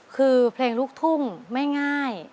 คือเพลงลูกทุ่งไม่ง่าย